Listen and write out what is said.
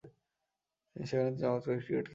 সেখানে তিনি চমৎকারভাবে ক্রিকেট খেলতেন।